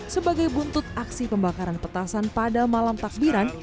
sebagai buntut aksi pembakaran petasan pada malam takbiran